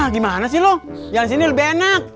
gimana sih lu jalan sini lebih enak